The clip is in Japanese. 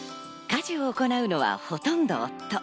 家事を行うのはほとんど夫。